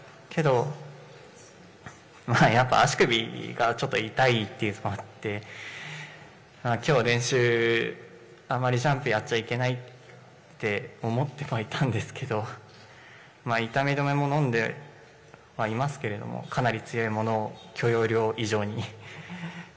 けどやっぱ足首がちょっと痛いというのもあってきょう、練習あまり、ジャンプやっちゃいけないって思ってはいたんですけど痛み止めも、飲んでいますけれどもかなり強いものを、許容量以上に。